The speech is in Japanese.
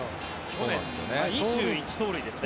去年は２１盗塁ですね。